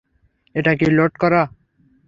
এট কি লোড করা?